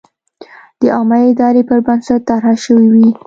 د عامه ارادې پر بنسټ طرحه شوې وي.